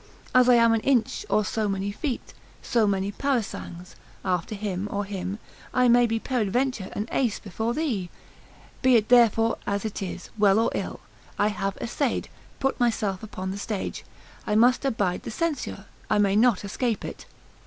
As I am an inch, or so many feet, so many parasangs, after him or him, I may be peradventure an ace before thee. Be it therefore as it is, well or ill, I have essayed, put myself upon the stage; I must abide the censure, I may not escape it.